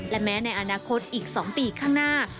และแม้ในอนาคตอีก๒ปีข้างหน้า